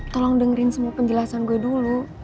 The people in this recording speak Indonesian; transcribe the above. tolong dengerin semua penjelasan gue dulu